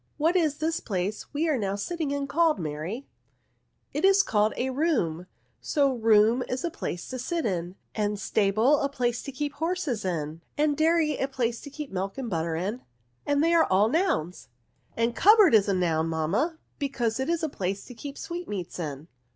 What is this place we are now sitting in called, Mary ?"'^ It is called a room, so room is a place to sit in, and stable a place to keep horses in, and dairy a place to keep milk and butter in ; and they are all nouns." '^ And cupboard is a noun, mamma, be cause it is a place to keep sweetmeats in."